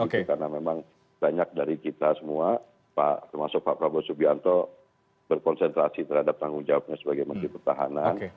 karena memang banyak dari kita semua termasuk pak prabowo subianto berkonsentrasi terhadap tanggung jawabnya sebagai menteri pertahanan